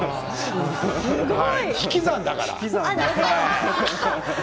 引き算だからね。